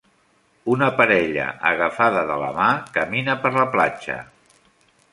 Una parella agafada de la mà camina per la platja.